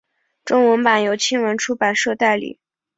中文版由青文出版社代理。